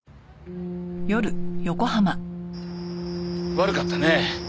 悪かったね。